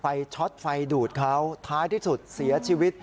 ช็อตไฟดูดเขาท้ายที่สุดเสียชีวิต